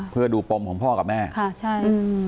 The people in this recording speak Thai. เพื่อดูพรุ่งของพ่อกับแม่ค่ะใช่